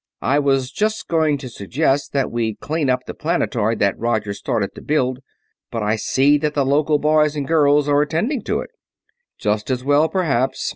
"I was just going to suggest that we clean up the planetoid that Roger started to build, but I see that the local boys and girls are attending to it." "Just as well, perhaps.